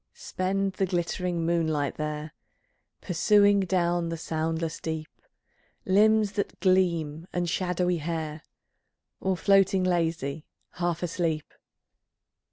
Spend the glittering moonlight there Pursuing down the soundless deep Limbs that gleam and shadowy hair, Or floating lazy, half asleep.